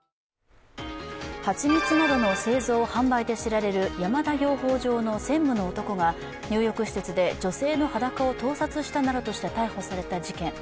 蜂蜜などの製造・販売などで知られる山田養蜂場の専務の男は入浴施設で女性の裸を盗撮したなどとして逮捕された事件。